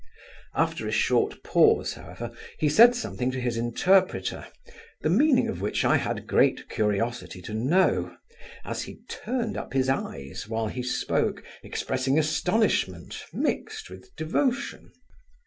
After a short pause, however, he said something to his interpreter, the meaning of which I had great curiosity to know, as he turned up his eyes while he spoke, expressing astonishment, mixed with devotion.